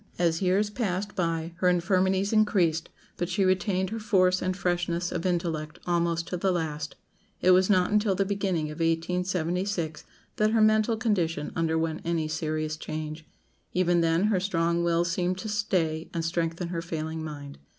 As years passed by her infirmities increased, but she retained her force and freshness of intellect almost to the last. It was not until the beginning of 1876 that her mental condition underwent any serious change. Even then her strong will seemed to stay and strengthen her failing mind.